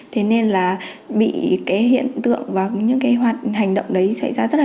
thế nên là bị hiện tượng và những hoạt hành động đấy xảy ra rất là nhiều